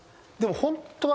本当は。